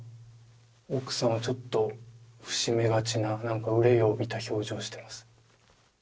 奥さんはちょっと伏し目がちな何か憂いを帯びた表情をしてます